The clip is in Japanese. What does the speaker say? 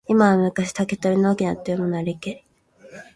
今は昔、竹取の翁というものありけり。